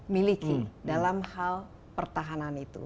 miliki dalam hal pertahanan itu